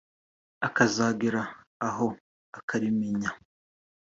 akazagera aho akarimenya